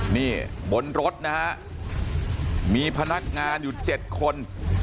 นี่บนรถนะฮะมีพนักงานอยู่๗คน